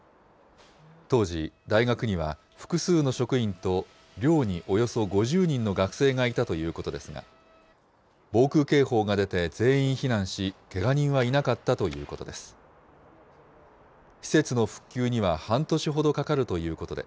当時、大学には複数の職員と寮におよそ５０人の学生がいたということですが、防空警報が出て全員避難し、けが人はいなかったということです。